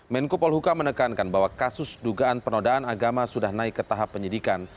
menko polhuka menekankan bahwa kasus dugaan penodaan agama sudah naik ke tahap penyidikan